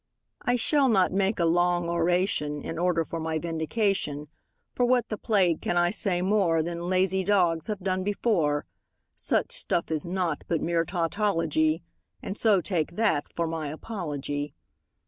I shall not make a long oration in order for my vindication, For what the plague can I say more Than lazy dogs have done before; Such stuff is naught but mere tautology, And so take that for my apology.